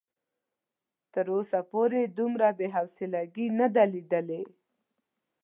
تر اوسه پورې دومره بې حوصلګي نه ده ليدلې.